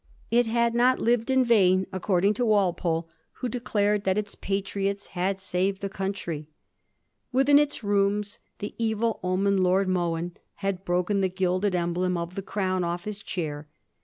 It had not lived iQ vain, according to Walpole, who declared that its patriots had saved the country. Within its rooms the evil omened Lord Mohun had broken the gilded emblem of the crown off his chair.